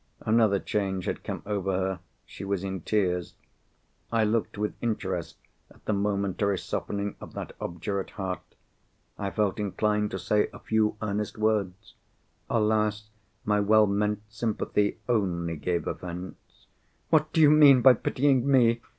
Another change had come over her—she was in tears. I looked with interest at the momentary softening of that obdurate heart. I felt inclined to say a few earnest words. Alas! my well meant sympathy only gave offence. "What do you mean by pitying me?"